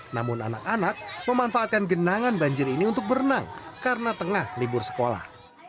namun anak anak memanfaatkan genangan banjir ini untuk berenang karena tengah libur sekolah